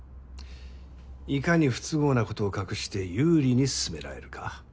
いかに不都合なことを隠して有利に進められるか。